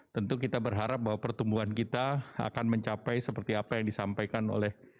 dua ribu dua puluh satu tentu kita berharap bahwa pertumbuhan kita akan mencapai seperti apa yang disampaikan oleh